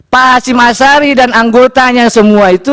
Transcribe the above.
pak simasari dan anggotanya semua itu